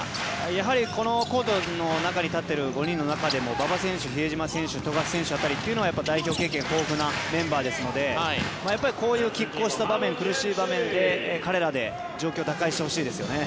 やはりこのコートに立っている５人の中でも馬場選手、比江島選手富樫選手辺りというのは代表経験豊富なメンバーですのでこういうきっ抗した場面苦しい場面で彼らで状況を打開してほしいですね。